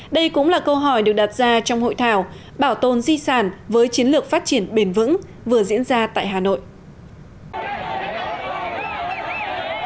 đây cũng là câu hỏi được đặt ra trong hội thảo bảo tồn di sản với chiến lược phát triển bền vững vừa diễn ra tại hà nội